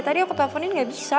tadi aku teleponin gak bisa